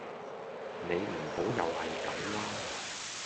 你唔好又係咁啦